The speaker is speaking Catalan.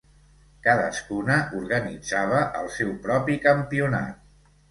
Cadascuna organitzava el seu propi campionat.